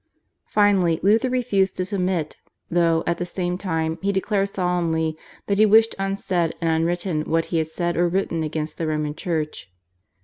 Finally, Luther refused to submit, though, at the same time, he declared solemnly that he wished unsaid and unwritten what he had said or written against the Roman Church.